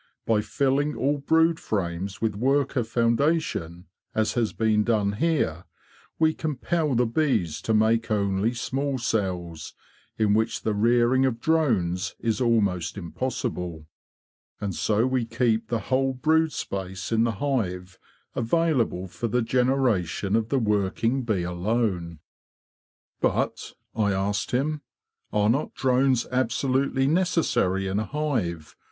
By filling all brood frames with worker foundation, as has been done here, we compel the bees to make only small cells, in which the rearing of drones is almost impossible; and so we keep "ce , 1 WINTER WORK ON THE BEE FARM 91 the whole brood space in the hive available for the generation of the working bee alone." '* But," I asked him, '' are not drones absolutely necessary in a hive?